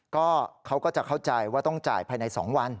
ก็เขาก็จะเข้าใจว่าต้องจ่ายภายใน๒วัน